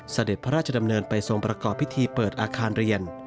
เสด็จพระราชดำเนินไปทรงประกอบพิธีเปิดอาคารเรียน